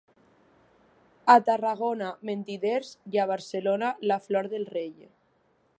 A Tarragona, mentiders, i a Barcelona, la flor del rei.